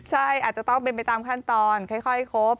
ใช่อาจจะต้องเป็นไปตามขั้นตอนค่อยครบ